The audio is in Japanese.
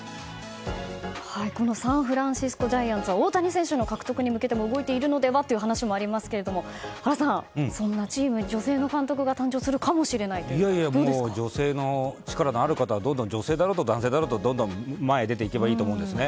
サンフランシスコ・ジャイアンツは大谷選手の獲得に向けても動いているのではという話もありますが原さん、そんなチームに女性の監督が女性でも力がある方はどんどん女性だろうと男性だろうと前に出て行けばいいと思うんですね。